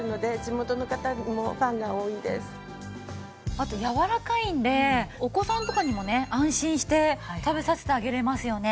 あとやわらかいんでお子さんとかにもね安心して食べさせてあげれますよね。